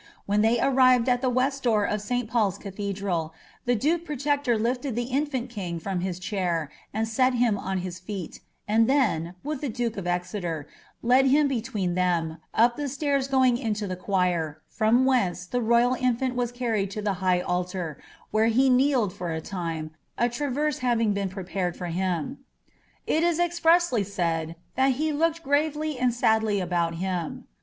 When thev arrived at the west door of St. PauPs Cathedral, the duke protector lifted the infant king from his chair and set him on his feet, and then, with the duke of Exeter, led him between them, up the stairs ffoing into the choir; from whence the royal infant was cariied to the high altar, where he kneeled for a time, a traverse having been prepared lor him. It is expressly said, ^^ that he looked gravely and sadly about him.